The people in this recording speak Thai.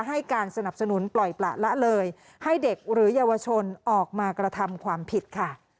ให้การสนับสนุนปล่อยประละเลยให้เด็กหรือเยาวชนออกมากระทำความผิดค่ะ